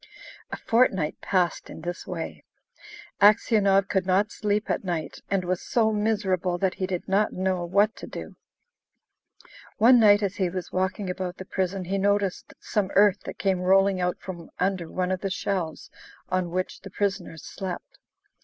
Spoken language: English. A fortnight passed in this way. Aksionov could not sleep at night, and was so miserable that he did not know what to do. One night as he was walking about the prison he noticed some earth that came rolling out from under one of the shelves on which the prisoners slept.